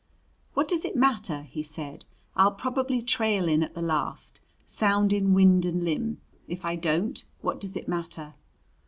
"What does it matter?" he said. "I'll probably trail in at the last, sound in wind and limb. If I don't, what does it matter?"